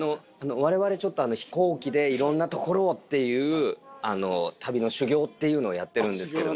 我々ちょっと飛行機でいろんな所をっていう旅の修行っていうのをやってるんですけど。